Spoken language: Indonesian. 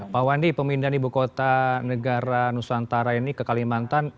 pak wandi pemindahan ibu kota negara nusantara ini ke kalimantan